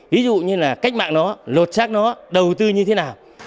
ví dụ như là cách mạng nó lột xác nó đầu tư như thế nào